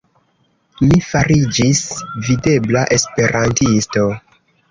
Mi fariĝis videbla esperantisto.